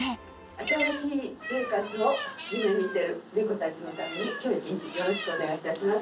新しい生活を夢みてる猫たちのために、きょう一日よろしくお願いいたします。